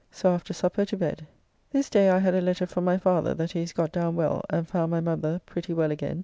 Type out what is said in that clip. So after supper to bed. This day I had a letter from my father that he is got down well, and found my mother pretty well again.